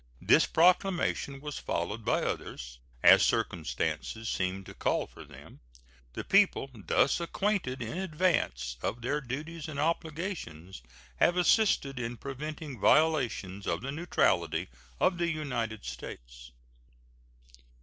This proclamation was followed by others, as circumstances seemed to call for them. The people, thus acquainted in advance of their duties and obligations, have assisted in preventing violations of the neutrality of the United States.